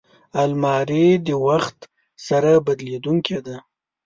الماري د وخت سره بدلېدونکې ده